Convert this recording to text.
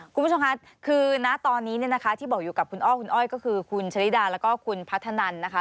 คุณผู้ชมค่ะคือณตอนนี้เนี่ยนะคะที่บอกอยู่กับคุณอ้อคุณอ้อยก็คือคุณชะลิดาแล้วก็คุณพัฒนันนะคะ